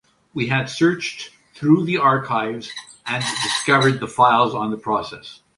We had searched through the archives and discovered the files on the process.